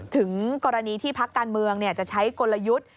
ถึงกรณีที่พักการเมืองจะใช้กลยุทธ์